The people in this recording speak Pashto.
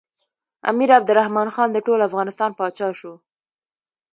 امیر عبدالرحمن خان د ټول افغانستان پاچا شو.